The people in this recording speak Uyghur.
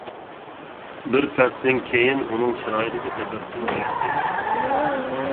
بىر پەستىن كېيىن ئۇنىڭ چىرايىدىكى تەبەسسۇم ئۆچتى.